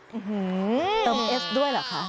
อื้อฮือตำเอ็ดด้วยเหรอคะ